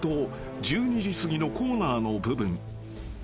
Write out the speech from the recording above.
［１２時すぎのコーナーの部分］